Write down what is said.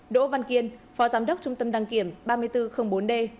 đỗ văn kiên phó giám đốc trung tâm đăng kiểm ba nghìn bốn trăm linh bốn d